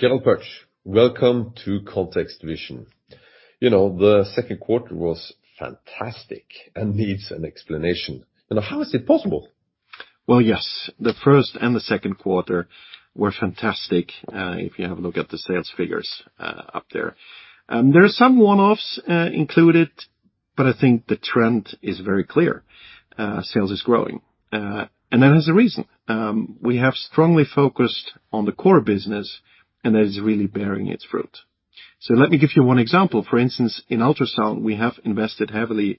Gerald Pötzsch, welcome to ContextVision. You know, the second quarter was fantastic and needs an explanation. Now, how is it possible? Well, yes, the first and the second quarter were fantastic, if you have a look at the sales figures, up there. There are some one-offs included, but I think the trend is very clear. Sales is growing. That has a reason. We have strongly focused on the core business, and that is really bearing its fruit. Let me give you one example. For instance, in ultrasound, we have invested heavily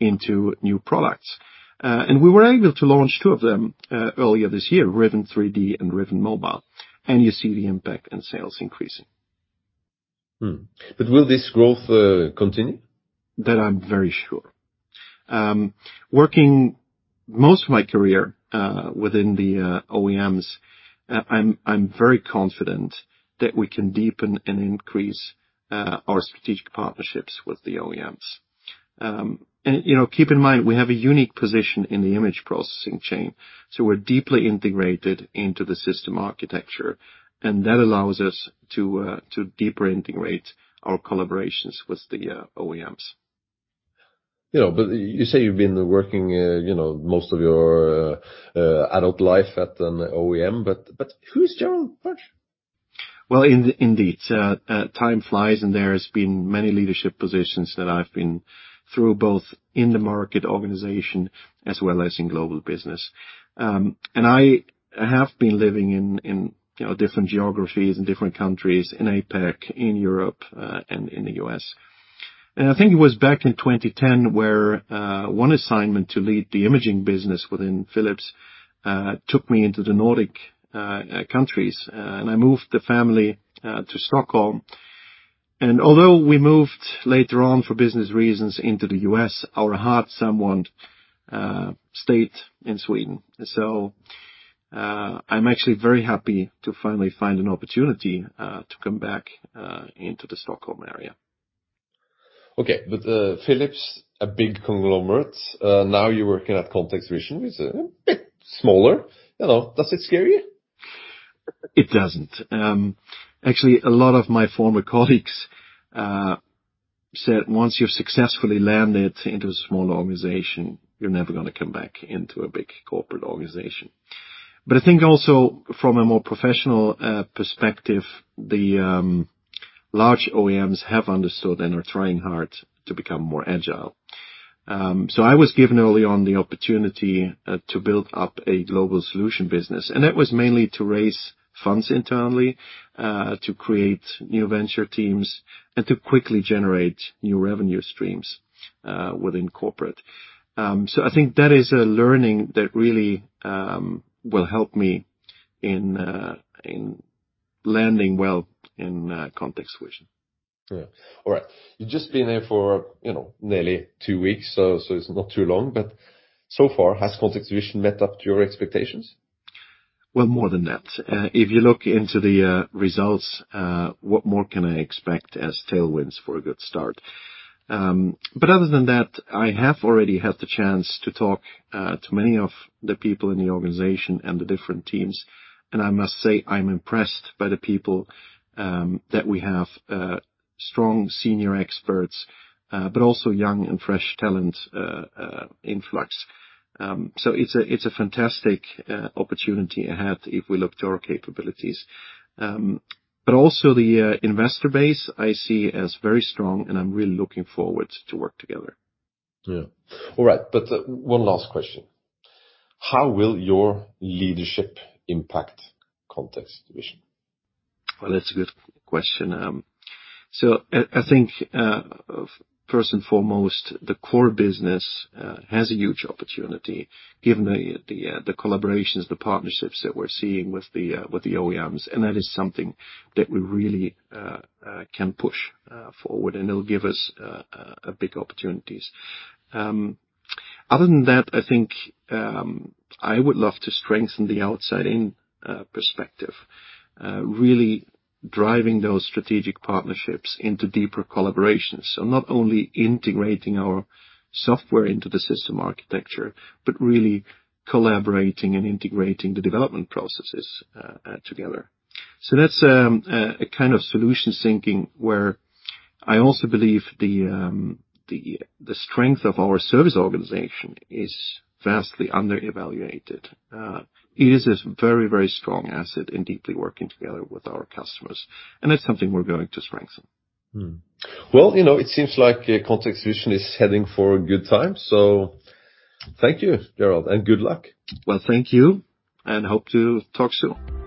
into new products. We were able to launch two of them, earlier this year. Rivent 3D and Rivent Mobile. You see the impact in sales increasing. Will this growth continue? That I'm very sure. Working most of my career within the OEMs, I'm very confident that we can deepen and increase our strategic partnerships with the OEMs. You know, keep in mind, we have a unique position in the image processing chain, so we're deeply integrated into the system architecture, and that allows us to deeper integrate our collaborations with the OEMs. You know, you say you've been working, you know, most of your adult life at an OEM, but who is Gerald Pötzsch? Well, indeed. Time flies, and there's been many leadership positions that I've been through, both in the market organization as well as in global business. I have been living in, you know, different geographies and different countries, in APAC, in Europe, and in the U.S. I think it was back in 2010 where one assignment to lead the imaging business within Philips took me into the Nordic countries, and I moved the family to Stockholm. Although we moved later on for business reasons into the US, our heart somewhat stayed in Sweden. I'm actually very happy to finally find an opportunity to come back into the Stockholm area. Okay. Philips, a big conglomerate. Now you're working at ContextVision. It's a bit smaller. You know, does it scare you? It doesn't. Actually, a lot of my former colleagues said, "Once you've successfully landed into a small organization, you're never gonna come back into a big corporate organization." I think also from a more professional perspective, the large OEMs have understood and are trying hard to become more agile. I was given early on the opportunity to build up a global solution business, and that was mainly to raise funds internally to create new venture teams and to quickly generate new revenue streams within corporate. I think that is a learning that really will help me in landing well in ContextVision. Yeah. All right. You've just been there for, you know, nearly two weeks, so it's not too long. So far, has ContextVision met up to your expectations? Well, more than that. If you look into the results, what more can I expect as tailwinds for a good start? Other than that, I have already had the chance to talk to many of the people in the organization and the different teams, and I must say, I'm impressed by the people that we have, strong senior experts, but also young and fresh talent influx. It's a fantastic opportunity ahead if we look to our capabilities. Also the investor base I see as very strong, and I'm really looking forward to work together. Yeah. All right. One last question. How will your leadership impact ContextVision? Well, that's a good question. I think first and foremost, the core business has a huge opportunity given the collaborations, the partnerships that we're seeing with the OEMs, and that is something that we really can push forward, and it'll give us big opportunities. Other than that, I think I would love to strengthen the outside in perspective really driving those strategic partnerships into deeper collaborations. Not only integrating our software into the system architecture, but really collaborating and integrating the development processes together. That's a kind of solution thinking where I also believe the strength of our service organization is vastly under-evaluated. It is a very, very strong asset in deeply working together with our customers, and that's something we're going to strengthen. Well, you know, it seems like ContextVision is heading for a good time. Thank you, Gerald, and good luck. Well, thank you, and hope to talk soon.